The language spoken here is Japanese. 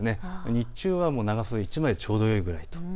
日中は長袖１枚でちょうどいいくらいと。